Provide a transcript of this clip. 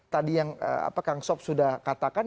tadi yang kang sob sudah katakan